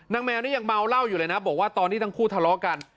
แมวนี่ยังเมาเหล้าอยู่เลยนะบอกว่าตอนที่ทั้งคู่ทะเลาะกัน